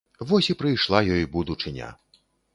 Вось і прыйшла ёй будучыня!